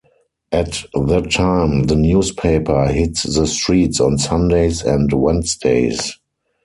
At that time, the newspaper hit the streets on Sundays and Wednesdays.